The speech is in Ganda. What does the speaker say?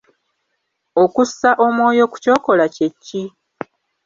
Okussa omwoyo ku ky'okola kye ki?